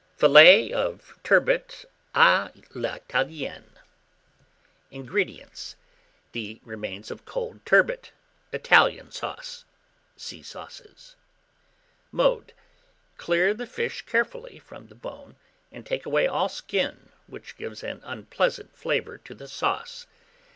FILLETS OF TURBOT A L'ITALIENNE. 340. INGREDIENTS. The remains of cold turbot, Italian sauce. (See Sauces.) Mode. Clear the fish carefully from the bone, and take away all skin, which gives an unpleasant flavour to the sauce.